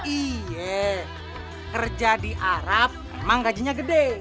iya kerja di arab emang gajinya gede